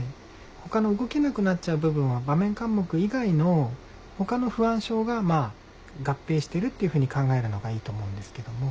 他の動けなくなっちゃう部分は場面緘黙以外の他の不安症が合併してるっていうふうに考えるのがいいと思うんですけれども。